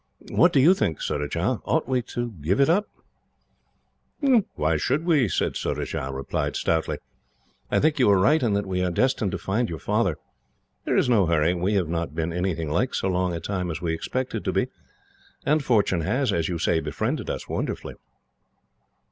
"What do you think, Surajah? Ought we to give it up?" "Why should we?" Surajah replied stoutly. "I think you are right, and that we are destined to find your father. There is no hurry. We have not been anything like so long a time as we expected to be, and Fortune has, as you say, befriended us wonderfully.